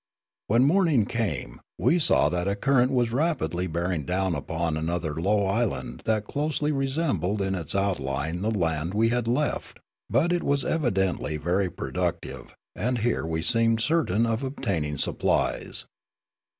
When the morning came, we saw that a current was rapidly bearing us down upon another low island that closely resembled in its outline the land we had left ; but it was evidently very productive, and here we seemed certain of obtaining supplies.